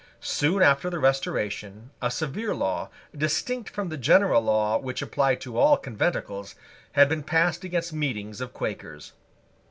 Soon after the Restoration, a severe law, distinct from the general law which applied to all conventicles, had been passed against meetings of Quakers.